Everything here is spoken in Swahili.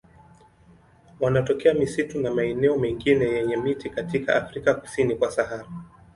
Wanatokea misitu na maeneo mengine yenye miti katika Afrika kusini kwa Sahara.